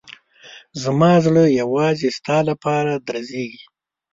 زما زړه یوازې ستا لپاره درزېږي.